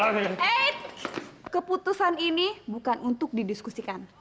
eits keputusan ini bukan untuk didiskusikan